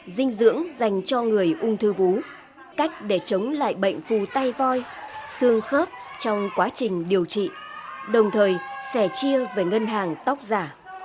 dinh dưỡng dành cho người ung thư vú cách để chống lại bệnh phù tay voi xương khớp trong quá trình điều trị đồng thời sẻ chia về ngân hàng tóc giả